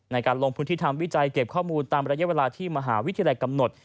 ในการลงพื้นที่ทำวิจัยเก็บข้อมูลตามระยะเวลาที่มหาวิทยาลัยกำหนด